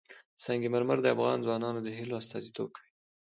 سنگ مرمر د افغان ځوانانو د هیلو استازیتوب کوي.